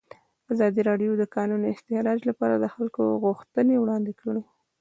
ازادي راډیو د د کانونو استخراج لپاره د خلکو غوښتنې وړاندې کړي.